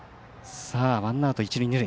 ワンアウト、一塁二塁。